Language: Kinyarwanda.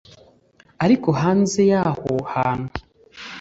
ariko hanze y aho hantu